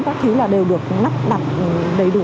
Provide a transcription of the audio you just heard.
các thứ đều được nắp đặt đầy đủ